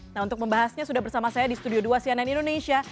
nah untuk membahasnya sudah bersama saya di studio dua cnn indonesia